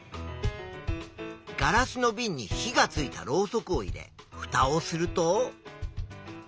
ガラスのビンに火がついたろうそくを入れフタをすると。